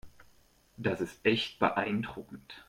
Das ist echt beeindruckend.